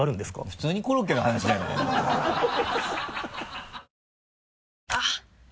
普通にコロッケの話じゃないのよあっ！